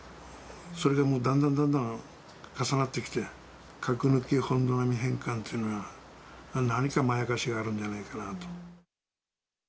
それがもう、だんだんだんだん重なってきて、核抜き本土並み返還というのは、何かまやかしがあるんじゃないかなと。